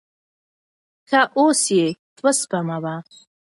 ښه اوس یې اوسپموه.